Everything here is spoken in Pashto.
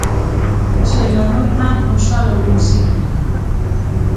چې لا نور هم خوشاله واوسې.